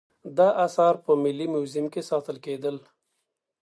دا اثار په ملي موزیم کې ساتل کیدل